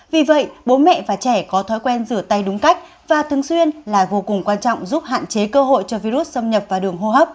vì vậy bố mẹ và trẻ có thói quen rửa tay đúng cách và thường xuyên là vô cùng quan trọng giúp hạn chế cơ hội cho virus xâm nhập vào đường hô hấp